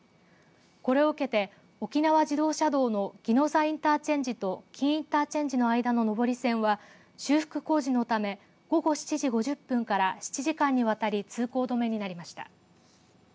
これを受けて沖縄自動車道の宜野座インターチェンジと金武インターチェンジの間の上り線は修復工事のため午後７時５０分から７時間にわたり通行止めになりました。